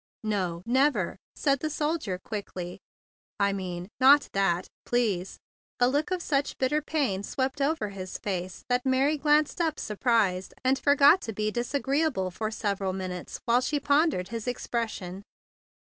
"No! Never!" said the soldier quickly. "I mean—not that, please and a look of such bitter pain swept over his face that Mary glanced up sur¬ prised, and forgot to be disagreeable for several minutes while she pondered his expression.